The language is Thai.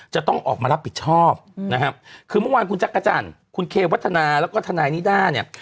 จะต้องออกมารับผิดชอบนะครับคือเมื่อวานคุณจักรจันทร์คุณเควัฒนาแล้วก็ทนายนิด้าเนี่ย